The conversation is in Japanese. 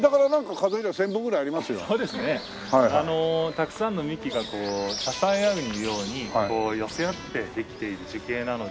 たくさんの幹がこう支え合うように寄せ合ってできている樹形なので。